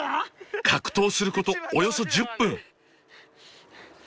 格闘することおよそ１０分。